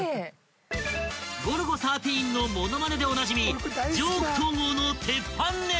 ［『ゴルゴ１３』のモノマネでおなじみジョーク東郷の鉄板ネタ］